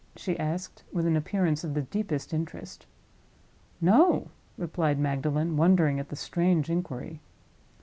she asked, with an appearance of the deepest interest. "No," replied Magdalen, wondering at the strange inquiry.